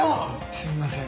⁉すみません。